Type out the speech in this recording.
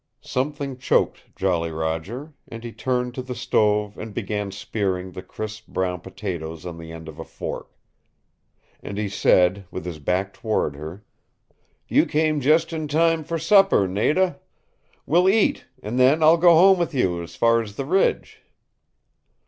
Something choked Jolly Roger, and he turned to the stove and began spearing the crisp brown potatoes on the end of a fork. And he said, with his back toward her, "You came just in time for supper, Nada. We'll eat and then I'll go home with you, as far as the Ridge."